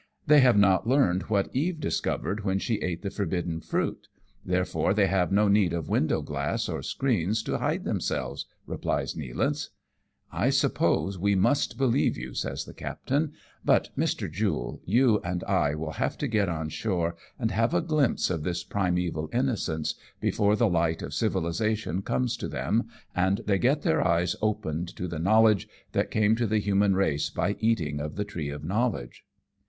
" They have not yet learned what Eve discovered when she ate the forbidden fruit ; therefore they have no need of window glass or screens to hide themselves/' replies Nealance. " I suppose we must believe you/' says the captain ;" but, Mr. Jule, you and I will have to get on shore, and have a glimpse of this primeval innocence, before the light of civilization comes to them, and they get their eyes opened to the knowledge that came to the human race by eating of the tree of knowledge."